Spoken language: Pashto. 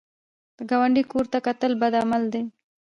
د ګاونډي کور ته کتل بد عمل دی